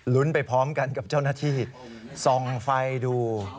ไปพร้อมกันกับเจ้าหน้าที่ส่องไฟดู